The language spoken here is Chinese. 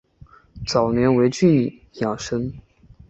早年为郡庠生。